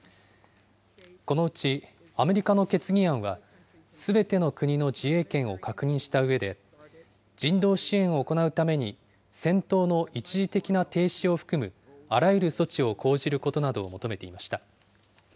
このうち、アメリカの決議案は、すべての国の自衛権を確認したうえで、人道支援を行うために戦闘の一時的な停止を含むあらゆる措置を講じることなどを求めていました。